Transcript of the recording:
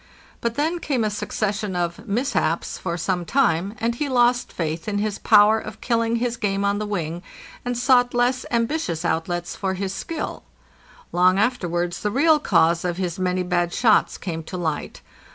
But then came a succession of "mishaps" for some time, and he lost faith in his power of kill ing his game on the wing, and sought less ambitious outlets for his skill. Long afterwards the real cause of his many bad shots came to light.